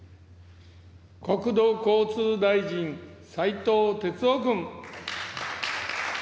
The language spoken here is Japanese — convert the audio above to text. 国土交通大臣、斉藤鉄夫君。